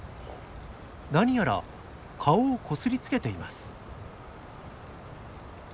何やら顔をこすりつけています。